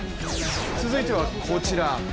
続いてはこちら。